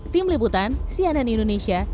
tim liputan cnn indonesia